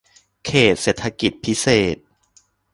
เขตเศรษฐกิจพิเศษ